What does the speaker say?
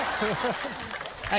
はい。